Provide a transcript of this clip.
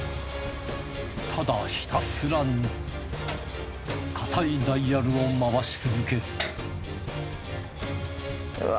ただひたすらにかたいダイヤルを回し続けるうわ